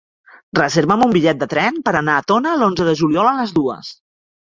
Reserva'm un bitllet de tren per anar a Tona l'onze de juliol a les dues.